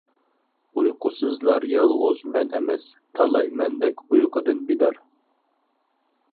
ئۇيقۇسىزلار يالغۇز مەن ئەمەس، تالاي مەندەك ئۇيقۇدىن بىدار.